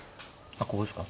あっここですか？